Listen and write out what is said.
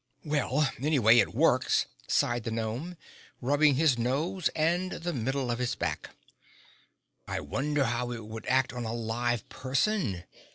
"Well, anyway it works," sighed the gnome, rubbing his nose and the middle of his back. "I wonder how it would act on a live person?